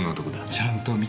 ちゃんと見てない。